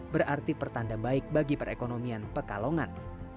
berarti pertanda baik bagi perekonomian pekalongan